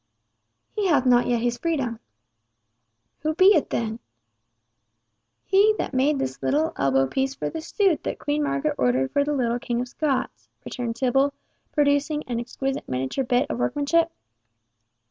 "He hath not yet his freedom." "Who be it then?" "He that made this elbow piece for the suit that Queen Margaret ordered for the little King of Scots," returned Tibble, producing an exquisite miniature bit of workmanship.